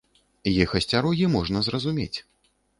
Іх асцярогі можна зразумець.